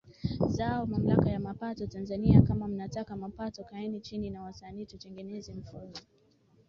zao Mamlaka ya mapato Tanzania kama mnataka mapato kaeni chini na wasanii tutengeneze mfumo